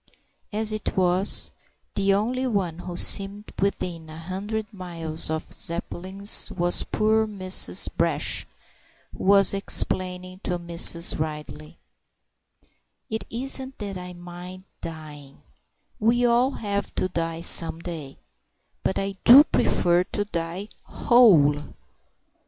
As it was, the only one who seemed within a hundred miles of Zeppelins was poor Mrs. Brash, who was explaining to Mrs. Ridley— "It isn't that I mind dying: we all have to die some day: but I do prefer to die whole."